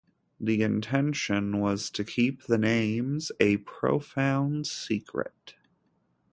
The intention was to keep the names a profound secret.